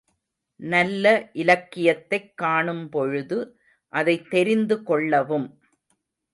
நல்ல இலக்கியத்தைக் காணும்பொழுது அதைத் தெரிந்து கொள்ளவும்.